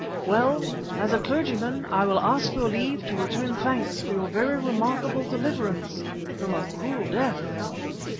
Well, as a clergyman, I will ask your leave to return thanks for your very remarkable deliverance from a cruel death."